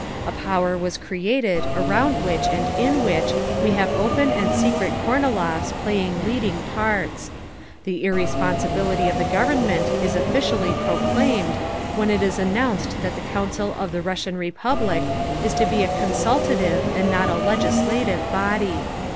A power was created around which and in which we have open and secret Kornilovs playing leading parts. The irresponsibility of the Government is offically proclaimed, when it is announced that the Council of the Russian Republic is to be a consultative and not legislative body.